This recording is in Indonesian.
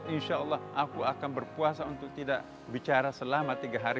insya allah aku akan berpuasa untuk tidak bicara selama tiga hari